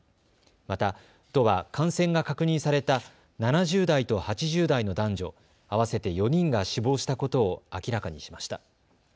また都は感染が確認された７０代と８０代の男女、合わせて４人が死亡したことを明らかにしました。